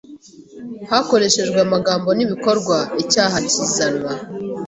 hakoreshejwe amagambo n’ibikorwa, icyaha kizanwa